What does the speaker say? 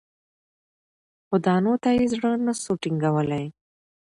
خو دانو ته یې زړه نه سو ټینګولای